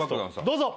どうぞ